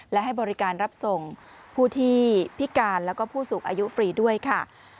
และให้บริการรับส่งผู้ที่พิการแล้วก็ผู้สูงอายุฟรีด้วยค่ะ